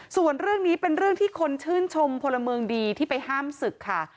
ส่วนเรื่องนี้เป็นเรื่องที่คนชื่นชมพลเมืองดีที่ไปห้ามศึกค่ะ